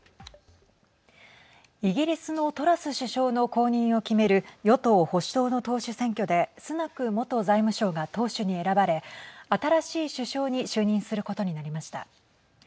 イギリスのトラス首相の後任を決める与党・保守党の党首選挙でスナク元財務相が党首に選ばれ新しい首相に就任することになりました。